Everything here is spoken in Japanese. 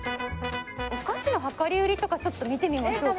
お菓子の量り売りとかちょっと見てみましょうか。